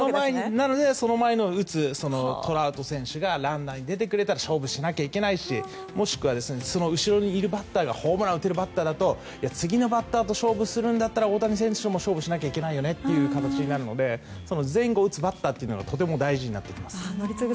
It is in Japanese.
なのでその前に打つトラウト選手がランナーに出てきたら勝負しなきゃいけないしもしくは、その後ろのバッターがホームランを打てるバッターだと次のバッターと勝負するなら大谷選手も勝負しなきゃいけないよねという形になるので前後を打つバッターがとても大事になります。